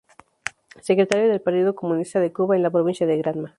Secretario del Partido Comunista de Cuba en la provincia de Granma.